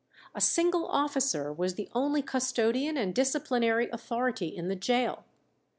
A single officer was the only custodian and disciplinary authority in the gaol.